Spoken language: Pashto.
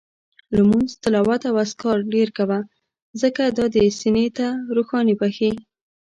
لمونځ، تلاوت او اذکار ډېر کوه، ځکه دا دې سینې ته روښاني بخښي